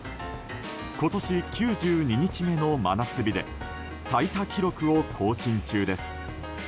今年９２日目の真夏日で最多記録を更新中です。